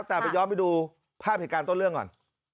แต่ไปย้อนไปดูภาพเหตุการณ์ต้นเรื่องก่อน